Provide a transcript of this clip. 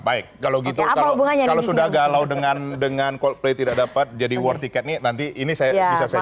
baik kalau gitu kalau sudah galau dengan coldplay tidak dapat jadi war ticket ini nanti ini saya bisa saja